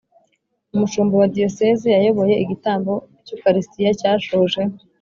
umushumba wa diyosezi yayoboye igitambo cy’ukaristiya cyashoje